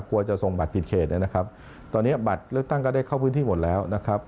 จะส่งบัตรผิดเขตเนี่ยนะครับตอนนี้บัตรเลือกตั้งก็ได้เข้าพื้นที่หมดแล้วนะครับ